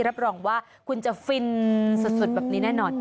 รับรองว่าคุณจะฟินสดแบบนี้แน่นอน